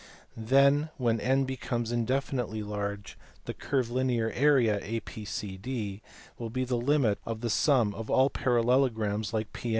Then, when n becomes in definitely large, the curvilinear area A PCD will be the limit of the sum of all parallelograms like PN.